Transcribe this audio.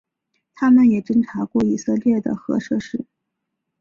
它们也侦察过以色列的核设施。